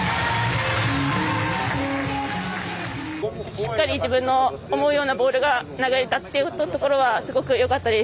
しっかり自分の思うようなボールが投げれたというところはすごくよかったです。